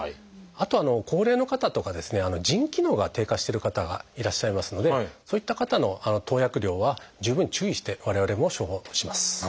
あと高齢の方とかですね腎機能が低下してる方がいらっしゃいますのでそういった方の投薬量は十分注意して我々も処方します。